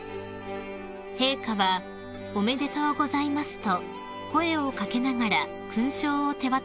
［陛下は「おめでとうございます」と声を掛けながら勲章を手渡されました］